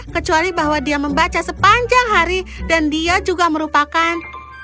kecuali bahwa dia membaca sepanjang hari dan dia juga merupakan